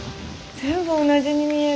全部同じに見える。